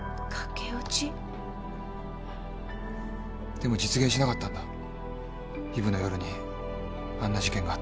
でも実現しなかったんだイブの夜にあんな事件があったから。